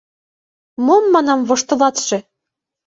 — Мом, манам, воштылатше?